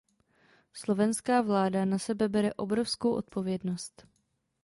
Slovenská vláda na sebe bere obrovskou odpovědnost.